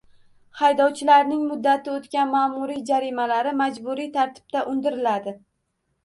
Haydovchilarning muddati o‘tgan ma’muriy jarimalari majburiy tartibda undiriladi